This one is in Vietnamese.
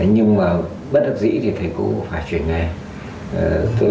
nhưng mà bất đắc dĩ thì thầy cô cũng phải chuyển sang một cái nghề khác đâu